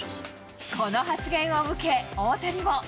この発言を受け、大谷も。